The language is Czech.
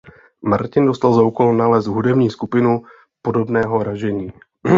Martin dostal za úkol nalézt hudební skupinu podobného ražení.